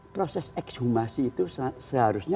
proses ekshumasi itu seharusnya